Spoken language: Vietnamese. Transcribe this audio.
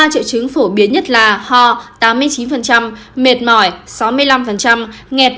ba triệu chứng phổ biến nhất là ho tám mươi chín mệt mỏi sáu mươi năm nghẹt